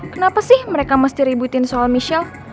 kenapa sih mereka mesti ributin soal michelle